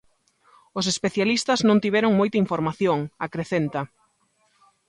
Os especialistas non tiveron moita información, acrecenta.